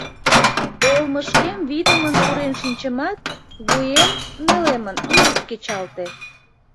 Олмышкем вийдымын пурен шинчымат, вуем, нелемын, ӱлык кечалте.